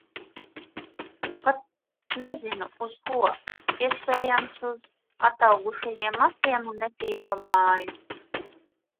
Pat nezinu, uz ko. Iespējams, uz ataugušajiem matiem un netīro māju.